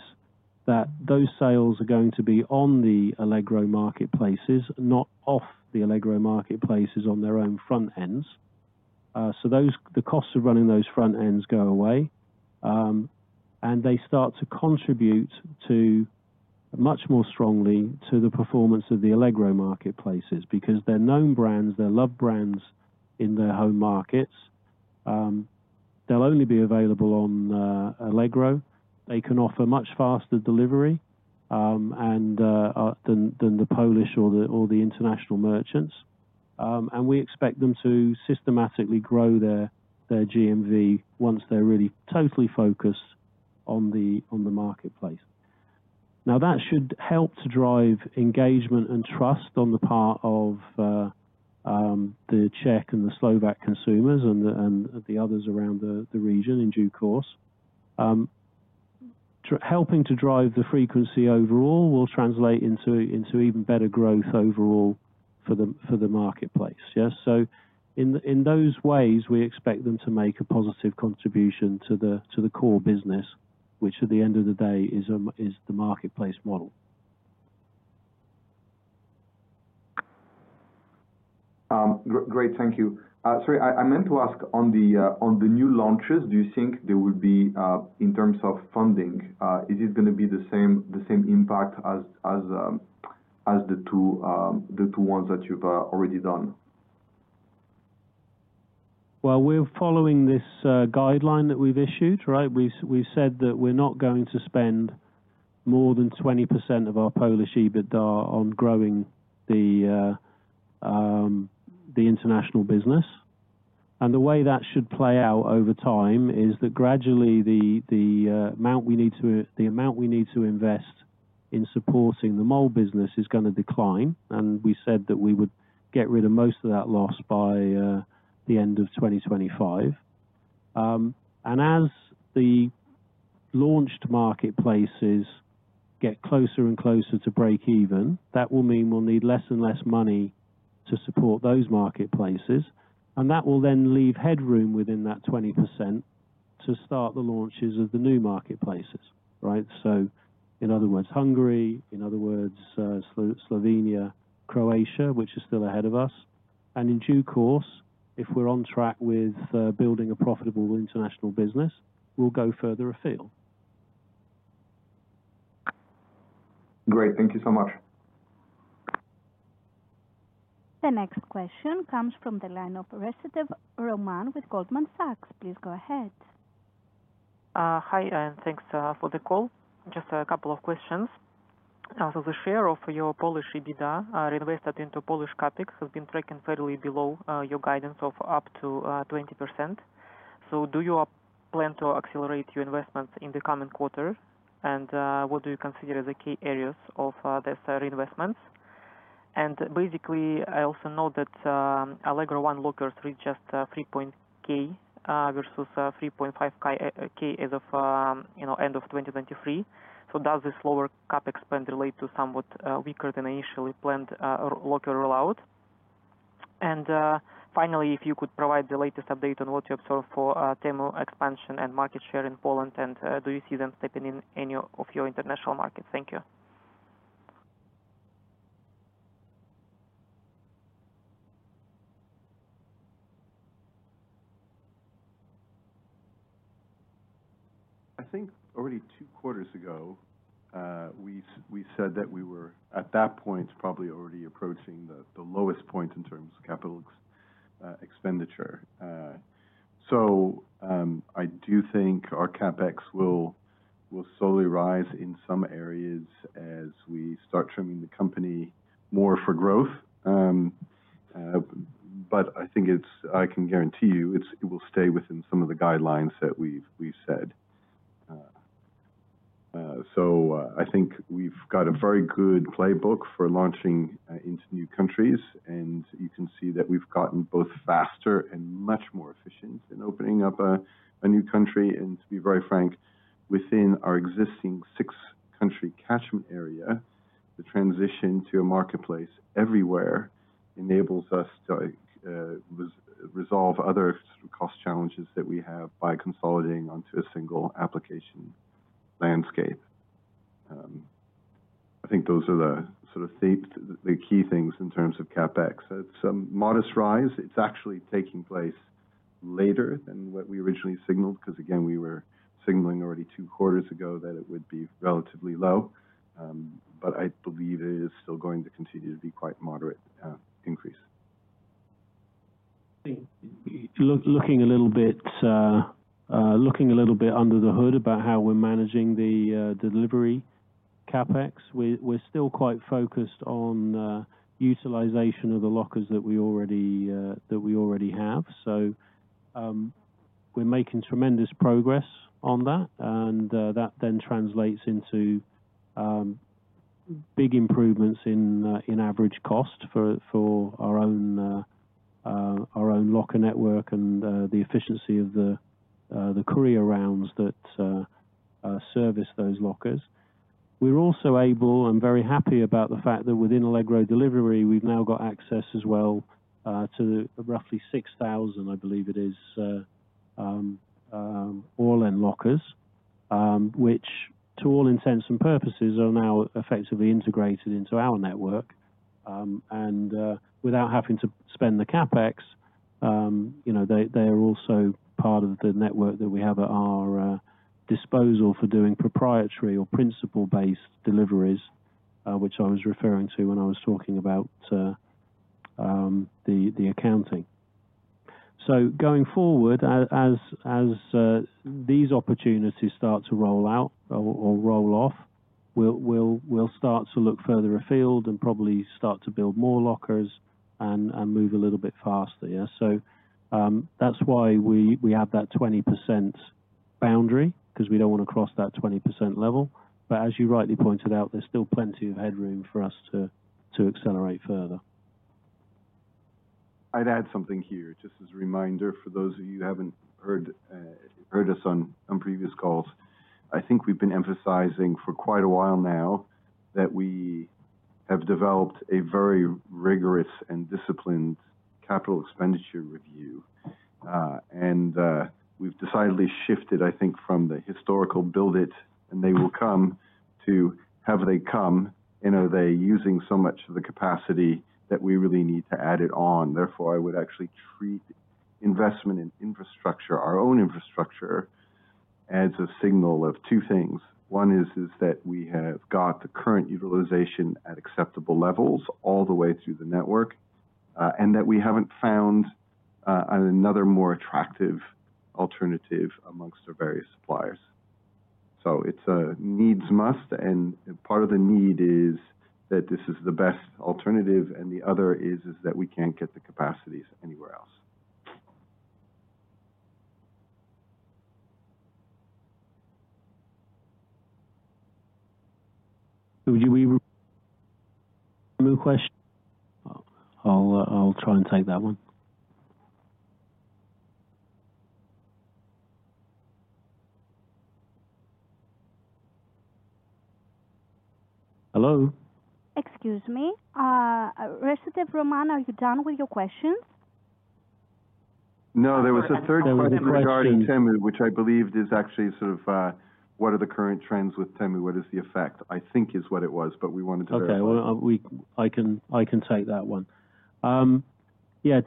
that those sales are going to be on the Allegro marketplaces, not off the Allegro marketplaces on their own front ends. So those, the costs of running those front ends go away, and they start to contribute much more strongly to the performance of the Allegro marketplaces, because they're known brands, they're loved brands in their home markets. They'll only be available on the Allegro. They can offer much faster delivery, and than the Polish or the international merchants. And we expect them to systematically grow their GMV once they're really totally focused on the marketplace. Now, that should help to drive engagement and trust on the part of the Czech and the Slovak consumers and the others around the region in due course. Helping to drive the frequency overall will translate into even better growth overall for the marketplace. Yes? So in those ways, we expect them to make a positive contribution to the core business, which at the end of the day, is the marketplace model. Great, thank you. Sorry, I meant to ask on the new launches, do you think there will be in terms of funding, is it gonna be the same impact as the two ones that you've already done? We're following this guideline that we've issued, right? We've said that we're not going to spend more than 20% of our Polish EBITDA on growing the international business. And the way that should play out over time is that gradually the amount we need to invest in supporting the Mall business is gonna decline, and we said that we would get rid of most of that loss by the end of 2025. And as the launched marketplaces get closer and closer to breakeven, that will mean we'll need less and less money to support those marketplaces, and that will then leave headroom within that 20% to start the launches of the new marketplaces, right? So in other words, Hungary, in other words, Slovenia, Croatia, which is still ahead of us. In due course, if we're on track with building a profitable international business, we'll go further afield. Great. Thank you so much. The next question comes from the line of Reshetnev, Roman with Goldman Sachs. Please go ahead. Hi, and thanks for the call. Just a couple of questions. So the share of your Polish EBITDA reinvested into Polish CapEx has been tracking fairly below your guidance of up to 20%. Do you plan to accelerate your investments in the coming quarter? And what do you consider the key areas of these reinvestments? And basically, I also know that Allegro One lockers reach just 3K versus 3.5K as of you know end of 2023. So does this lower CapEx spend relate to somewhat weaker than initially planned local rollout? Finally, if you could provide the latest update on what you observe for Temu expansion and market share in Poland, and do you see them stepping in any of your international markets? Thank you. I think already two quarters ago, we said that we were, at that point, probably already approaching the lowest point in terms of capital expenditure, so I do think our CapEx will slowly rise in some areas as we start trimming the company more for growth, but I think it's... I can guarantee you, it will stay within some of the guidelines that we've said, so I think we've got a very good playbook for launching into new countries, and you can see that we've gotten both faster and much more efficient in opening up a new country. To be very frank, within our existing six-country catchment area, the transition to a marketplace everywhere enables us to resolve other cost challenges that we have by consolidating onto a single application landscape. I think those are the sort of key things in terms of CapEx. It's a modest rise. It's actually taking place later than what we originally signaled, because, again, we were signaling already two quarters ago that it would be relatively low. But I believe it is still going to continue to be quite moderate increase. I think looking a little bit under the hood about how we're managing the delivery CapEx, we're still quite focused on utilization of the lockers that we already have. So, we're making tremendous progress on that, and that then translates into big improvements in average cost for our own locker network and the efficiency of the courier rounds that service those lockers. We're also able, I'm very happy about the fact that within Allegro Delivery, we've now got access as well to roughly six thousand, I believe it is, Orlen lockers, which to all intents and purposes, are now effectively integrated into our network. And without having to spend the CapEx, you know, they are also part of the network that we have at our disposal for doing proprietary or principal-based deliveries, which I was referring to when I was talking about the accounting. So going forward, as these opportunities start to roll out or roll off, we'll start to look further afield and probably start to build more lockers and move a little bit faster. Yeah. So that's why we have that 20% boundary, 'cause we don't want to cross that 20% level. But as you rightly pointed out, there's still plenty of headroom for us to accelerate further. I'd add something here, just as a reminder, for those of you who haven't heard heard us on previous calls. I think we've been emphasizing for quite a while now that we have developed a very rigorous and disciplined capital expenditure review. We've decidedly shifted, I think, from the historical build it, and they will come to have they come, and are they using so much of the capacity that we really need to add it on. Therefore, I would actually treat investment in infrastructure, our own infrastructure, as a signal of two things. One is that we have got the current utilization at acceptable levels all the way through the network, and that we haven't found another more attractive alternative among our various suppliers. So it's a needs must, and part of the need is that this is the best alternative, and the other is that we can't get the capacities anywhere else. Would you re-ask the question? I'll try and take that one. Hello? Excuse me, Reshetnev, Roman, are you done with your questions? No, there was a third one regarding Temu, which I believed is actually sort of what are the current trends with Temu? What is the effect? I think is what it was, but we wanted to verify. Okay. Well, I can take that one. Yeah,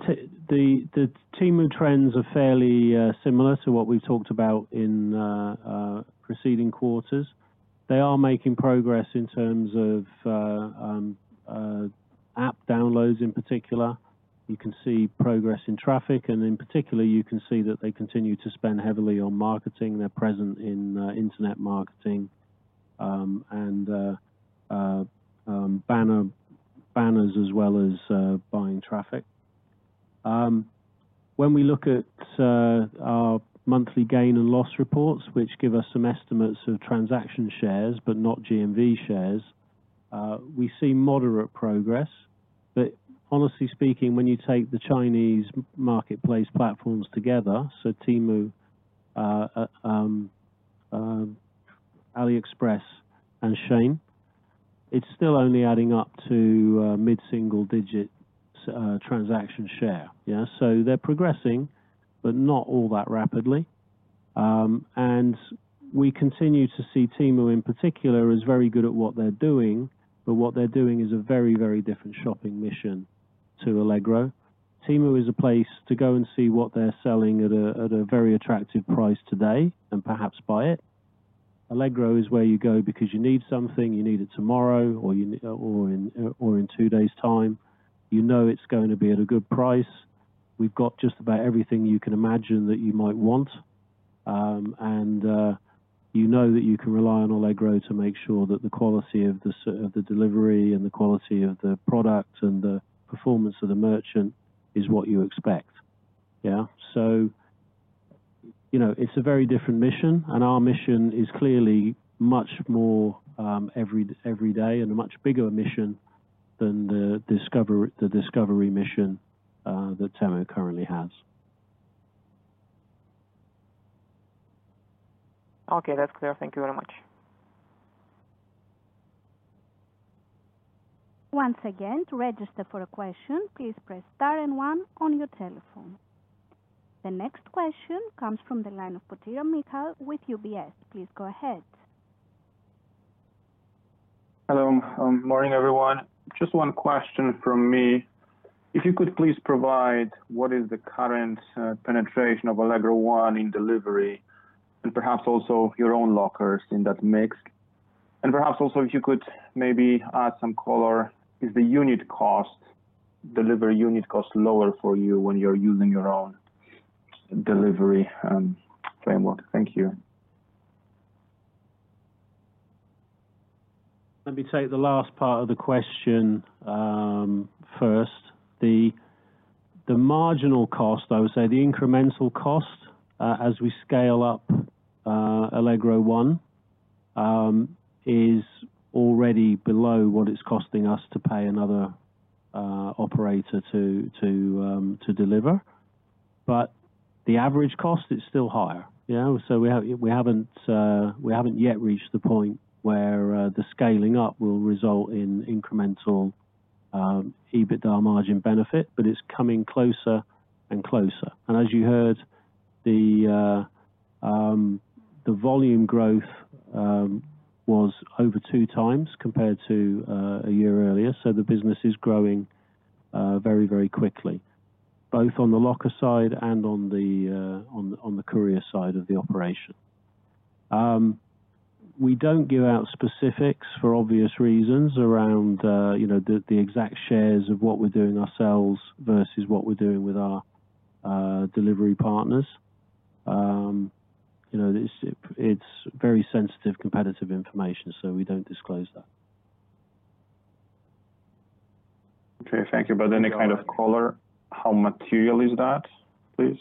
the Temu trends are fairly similar to what we've talked about in preceding quarters. They are making progress in terms of app downloads in particular. You can see progress in traffic, and in particular, you can see that they continue to spend heavily on marketing. They're present in internet marketing, and banners as well as buying traffic. When we look at our monthly gain and loss reports, which give us some estimates of transaction shares, but not GMV shares, we see moderate progress. But honestly speaking, when you take the Chinese marketplace platforms together, so Temu, AliExpress and Shein, it's still only adding up to mid-single digit transaction share. Yeah. So they're progressing, but not all that rapidly. And we continue to see Temu, in particular, as very good at what they're doing, but what they're doing is a very, very different shopping mission to Allegro. Temu is a place to go and see what they're selling at a very attractive price today and perhaps buy it. Allegro is where you go because you need something, you need it tomorrow or in two days time. You know it's going to be at a good price. We've got just about everything you can imagine that you might want. You know that you can rely on Allegro to make sure that the quality of the delivery and the quality of the product and the performance of the merchant is what you expect. Yeah? You know, it's a very different mission, and our mission is clearly much more every day and a much bigger mission than the discovery mission that Temu currently has. Okay, that's clear. Thank you very much. Once again, to register for a question, please press star and one on your telephone. The next question comes from the line of Potyra, Michal with UBS. Please go ahead. Hello. Morning, everyone. Just one question from me. If you could please provide what is the current penetration of Allegro One in delivery, and perhaps also your own lockers in that mix, and perhaps also if you could maybe add some color, is the unit cost... delivery unit cost lower for you when you're using your own delivery framework? Thank you. Let me take the last part of the question first. The marginal cost, I would say, the incremental cost, as we scale up Allegro One, is already below what it's costing us to pay another operator to deliver. But the average cost is still higher, you know? So we haven't yet reached the point where the scaling up will result in incremental EBITDA margin benefit, but it's coming closer and closer. And as you heard, the volume growth was over 2x compared to a year earlier. So the business is growing very, very quickly, both on the locker side and on the courier side of the operation. We don't give out specifics for obvious reasons around, you know, the exact shares of what we're doing ourselves versus what we're doing with our delivery partners. You know, it's very sensitive, competitive information, so we don't disclose that. Okay, thank you. But any kind of color, how material is that, please?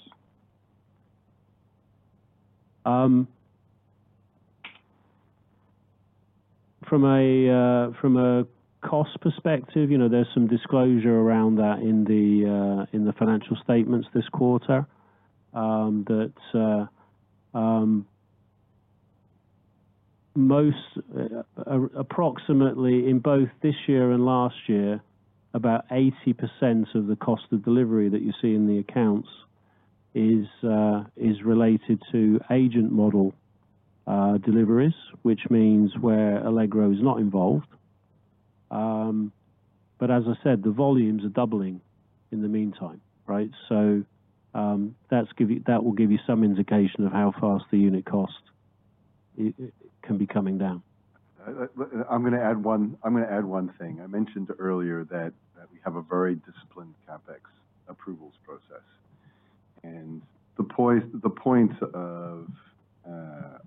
From a cost perspective, you know, there's some disclosure around that in the financial statements this quarter. Approximately in both this year and last year, about 80% of the cost of delivery that you see in the accounts is related to agent model deliveries, which means where Allegro is not involved. But as I said, the volumes are doubling in the meantime, right? So, that will give you some indication of how fast the unit cost can be coming down. I'm gonna add one thing. I mentioned earlier that we have a very disciplined CapEx approvals process. And the point of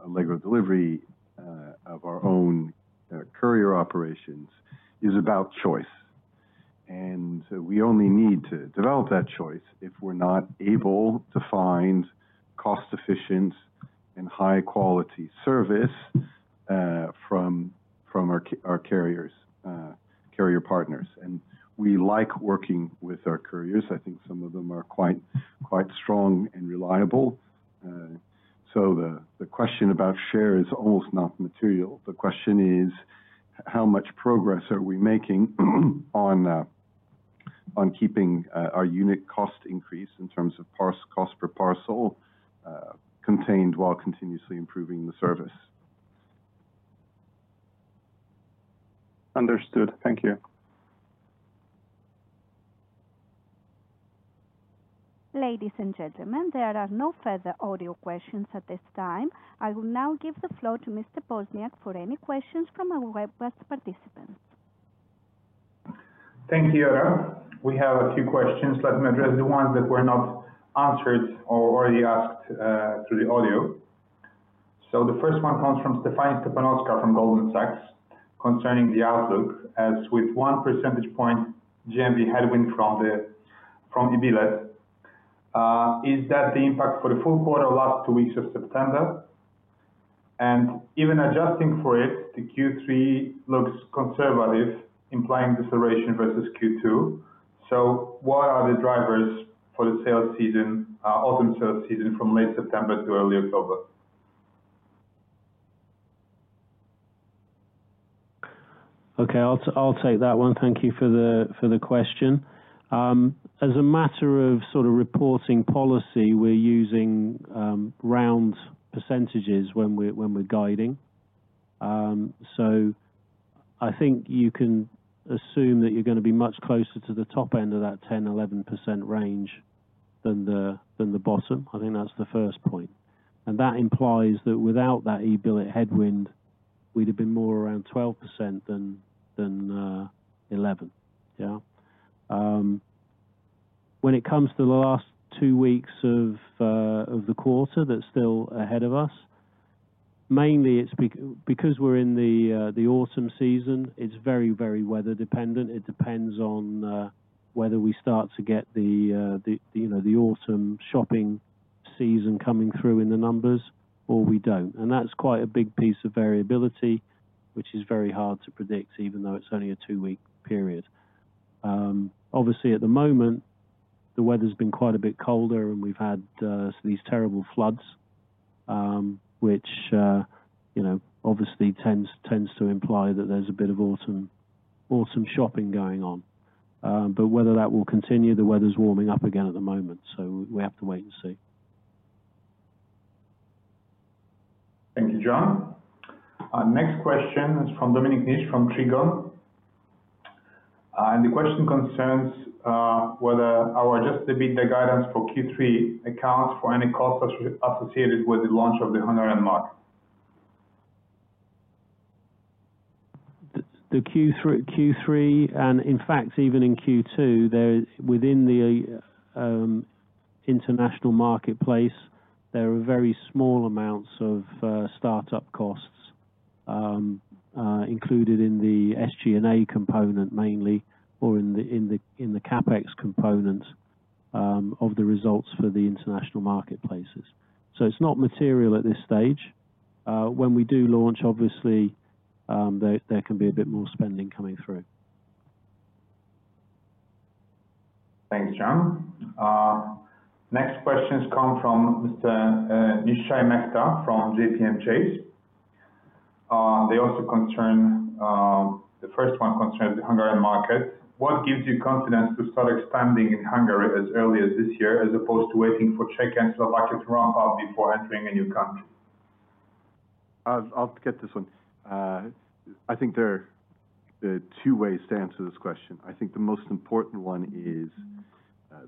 Allegro Delivery, of our own courier operations, is about choice. And we only need to develop that choice if we're not able to find cost-efficient and high-quality service from our carriers, carrier partners. And we like working with our couriers. I think some of them are quite strong and reliable. So the question about share is almost not material. The question is: how much progress are we making on keeping our unit cost increase in terms of cost per parcel contained while continuously improving the service? Understood. Thank you. Ladies and gentlemen, there are no further audio questions at this time. I will now give the floor to Mr. Poźniak for any questions from our webcast participants. Thank you, Yota. We have a few questions. Let me address the ones that were not answered or already asked through the audio. The first one comes from Stefani Spasenoska, from Goldman Sachs, concerning the outlook. As with one percentage point, GMV headwind from eBilet. Is that the impact for the full quarter, last two weeks of September? And even adjusting for it, the Q3 looks conservative, implying deceleration versus Q2. What are the drivers for the sales season, autumn sales season from late September to early October? Okay, I'll take that one. Thank you for the question. As a matter of sort of reporting policy, we're using round percentages when we're guiding. So I think you can assume that you're gonna be much closer to the top end of that 10-11% range than the bottom. I think that's the first point. And that implies that without that eBilet headwind, we'd have been more around 12% than 11%. Yeah. When it comes to the last two weeks of the quarter, that's still ahead of us, mainly it's because we're in the autumn season, it's very, very weather dependent. It depends on whether we start to get the, you know, the autumn shopping season coming through in the numbers, or we don't. That's quite a big piece of variability, which is very hard to predict, even though it's only a two-week period. Obviously at the moment, the weather's been quite a bit colder, and we've had these terrible floods, which, you know, obviously tends to imply that there's a bit of autumn shopping going on. But whether that will continue, the weather's warming up again at the moment, so we have to wait and see. Thank you, Jon. Our next question is from Dominik Niszcz, from Trigon. And the question concerns whether our adjusted EBITDA guidance for Q3 accounts for any costs associated with the launch of the Hungarian market. In the Q3, and in fact, even in Q2, there is within the international marketplace, there are very small amounts of start-up costs included in the SG&A component, mainly, or in the CapEx component, of the results for the international marketplaces. So it's not material at this stage. When we do launch, obviously, there can be a bit more spending coming through. Thanks, Jon. Next questions come from Mr. Nishant Mehta from J.P. Morgan Chase. They also concern the first one concerns the Hungarian market. What gives you confidence to start expanding in Hungary as early as this year, as opposed to waiting for Czech and Slovakia to ramp up before entering a new country? I'll get this one. I think there are two ways to answer this question. I think the most important one is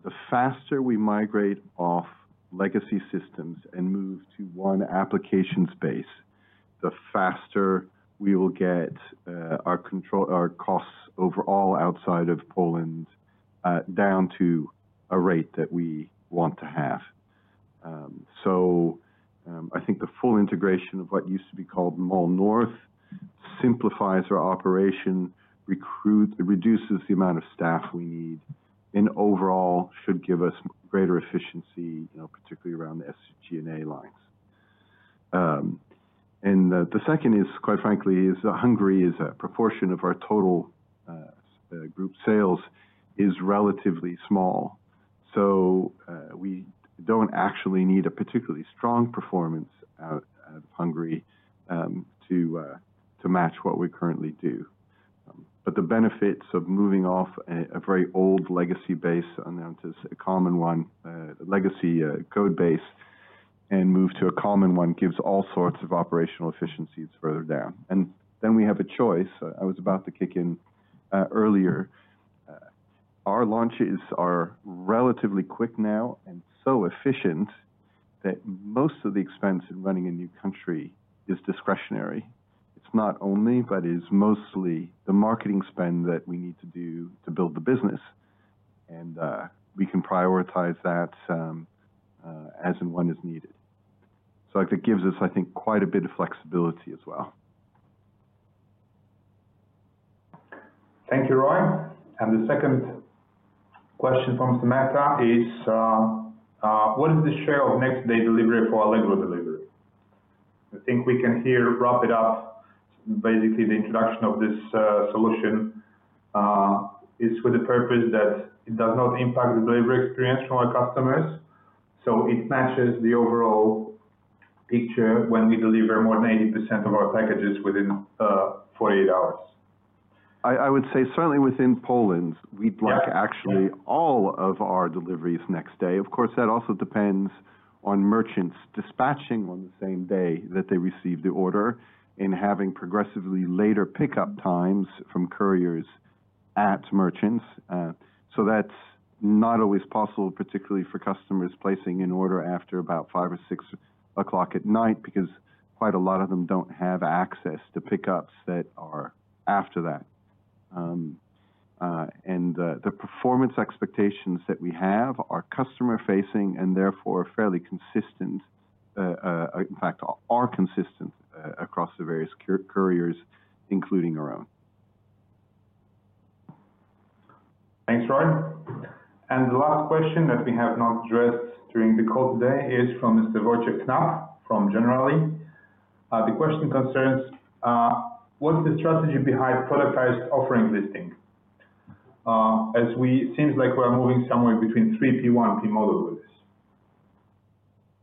the faster we migrate off legacy systems and move to one application space, the faster we will get our control, our costs overall, outside of Poland, down to a rate that we want to have. So, I think the full integration of what used to be called Mall Group simplifies our operation. It reduces the amount of staff we need, and overall, should give us greater efficiency, you know, particularly around the SG&A lines. And the second is, quite frankly, Hungary is a proportion of our total group sales, is relatively small. So, we don't actually need a particularly strong performance out of Hungary to match what we currently do. But the benefits of moving off a very old legacy code base and then to a common one gives all sorts of operational efficiencies further down. And then we have a choice. I was about to kick in earlier. Our launches are relatively quick now, and so efficient, that most of the expense in running a new country is discretionary. It's not only, but is mostly the marketing spend that we need to do to build the business. And we can prioritize that as and when is needed. So it gives us, I think, quite a bit of flexibility as well. Thank you, Roy. And the second question from Mr. Mehta is, what is the share of next day delivery for Allegro Delivery? I think we can here wrap it up. Basically, the introduction of this solution is with the purpose that it does not impact the delivery experience from our customers, so it matches the overall picture when we deliver more than 80% of our packages within 48 hours. I would say certainly within Poland. Yeah. We'd like actually all of our deliveries next day. Of course, that also depends on merchants dispatching on the same day that they receive the order, and having progressively later pickup times from couriers at merchants. So that's not always possible, particularly for customers placing an order after about 5:00 or 6:00 P.M., because quite a lot of them don't have access to pickups that are after that. And the performance expectations that we have are customer-facing, and therefore, fairly consistent. In fact, are consistent across the various couriers, including our own. Thanks, Roy. And the last question that we have not addressed during the call today is from Mr. Wojciech Konopa, from Generali. The question concerns what's the strategy behind productized offering listing? Seems like we're moving somewhere between 3P 1P models.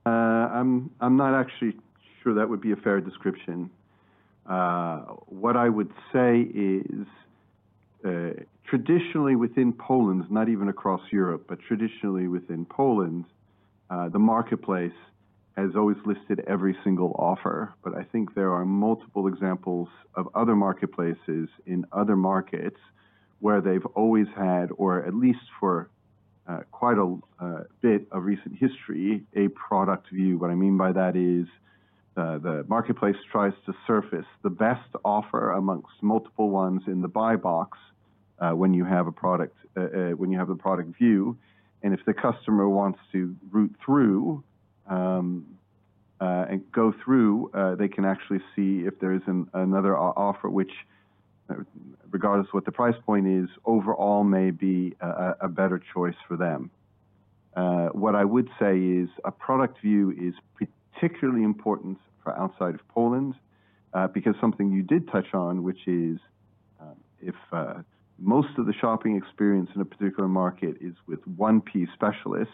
I'm not actually sure that would be a fair description. What I would say is, traditionally within Poland, not even across Europe, but traditionally within Poland, the marketplace has always listed every single offer. But I think there are multiple examples of other marketplaces in other markets, where they've always had, or at least for quite a bit of recent history, a product view. What I mean by that is, the marketplace tries to surface the best offer amongst multiple ones in the buy box when you have a product view, and if the customer wants to root through and go through, they can actually see if there is another offer, which, regardless of what the price point is, overall may be a better choice for them. What I would say is, a product view is particularly important for outside of Poland, because something you did touch on, which is, if most of the shopping experience in a particular market is with 1P specialists,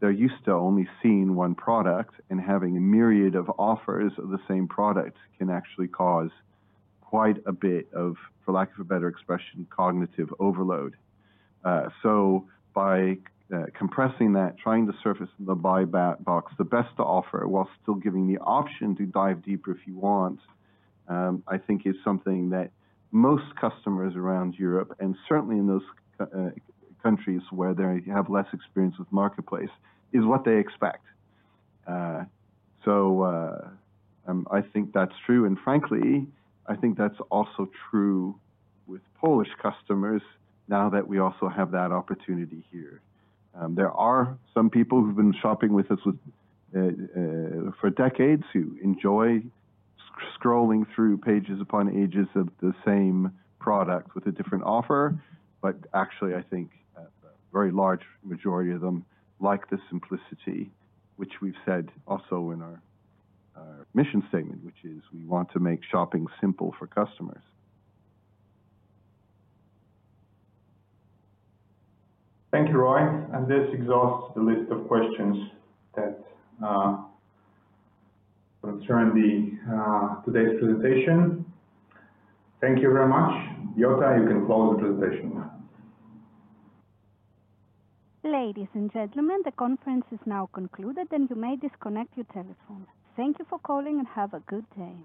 they're used to only seeing one product, and having a myriad of offers of the same product, can actually cause quite a bit of, for lack of a better expression, cognitive overload. So by compressing that, trying to surface the buy box, the best offer, while still giving the option to dive deeper if you want, I think is something that most customers around Europe, and certainly in those countries where they have less experience with marketplace, is what they expect. So, I think that's true, and frankly, I think that's also true with Polish customers, now that we also have that opportunity here. There are some people who've been shopping with us for decades, who enjoy scrolling through pages upon pages of the same product with a different offer. But actually, I think a very large majority of them like the simplicity, which we've said also in our mission statement, which is: We want to make shopping simple for customers. Thank you, Roy, and this exhausts the list of questions that concern the today's presentation. Thank you very much. Yota, you can close the presentation now. Ladies and gentlemen, the conference is now concluded, and you may disconnect your telephones. Thank you for calling and have a good day.